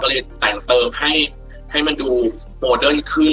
ก็เลยแต่งเติมให้มันดูโมเดิร์นขึ้น